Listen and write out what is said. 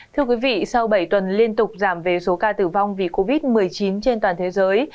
thưa quý vị sau bảy tuần liên tục giảm về số ca tử vong vì covid một mươi chín trên toàn thế giới